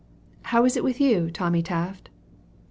"How is it with you, Tommy Taft?"